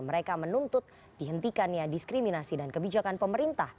mereka menuntut dihentikannya diskriminasi dan kebijakan pemerintah